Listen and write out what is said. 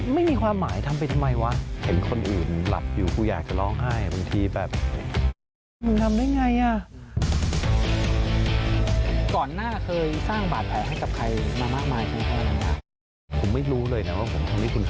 ไม่ทำไมวะเห็นคนอื่นหลับอยู่กูอยากจะร้องไห้บางทีแบบ